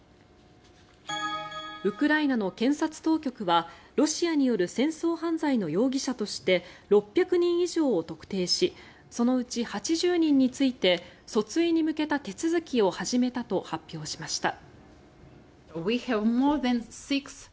ウクライナの検察当局はロシアによる戦争犯罪の容疑者として６００人以上を特定しそのうち８０人について訴追に向けた手続きを始めたと発表しました。